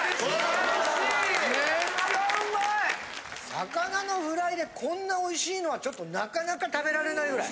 魚のフライでこんなおいしいのはちょっとなかなか食べられないぐらい。